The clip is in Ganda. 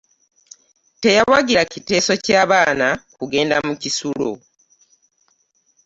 Teyawagira kiteeso kya baana kugenda mu kisulo.